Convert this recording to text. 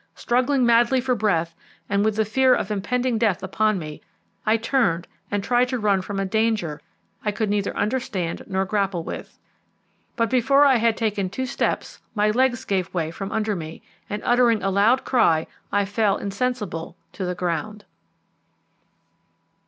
Struggling madly for breath, and with the fear of impending death upon me, I turned and tried to run from a danger I could neither understand nor grapple with. But before I had taken two steps my legs gave way from under me, and uttering a loud cry I fell insensible to the ground.